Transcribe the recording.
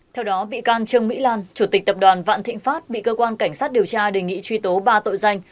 theo đó bị can trương mỹ lan chủ tịch tập đoàn vạn thịnh pháp bị cơ quan cảnh sát điều tra đề nghị truy tố ba tội danh